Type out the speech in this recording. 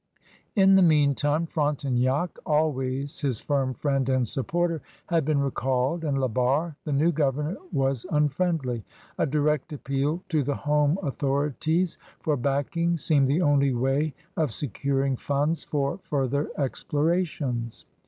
In the meantime, Frontenac, always his firm friend and supporter, had been recalled, and La Barre» the new governor, was unfriendly. A direct appeal to the home authori ties for backing seemed the only way of securing f imds for further explorations.